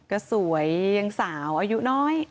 ก็สวยยังสาวอายุน้อย